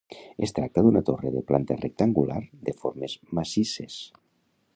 Es tracta d'una torre de planta rectangular de formes massisses.